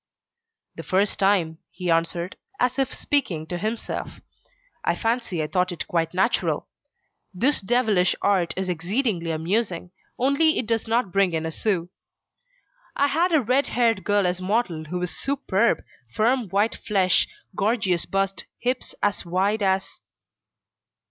"The first time," he answered, as if speaking to himself, "I fancy I thought it quite natural. This devilish art is exceedingly amusing, only it does not bring in a sou. I had a red haired girl as model who was superb, firm white flesh, gorgeous bust, hips as wide as